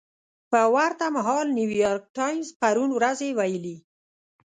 په ورته مهال نیویارک ټایمز پرون ورځ ویلي